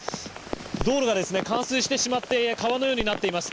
道路が冠水してしまって川のようになっています。